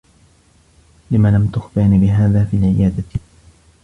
لم لم تخبرني بهذا في العيادة؟